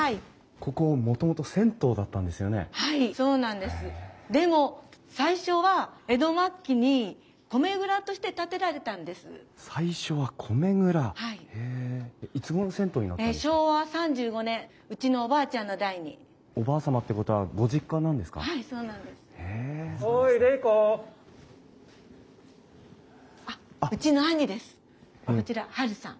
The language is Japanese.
こちらハルさん。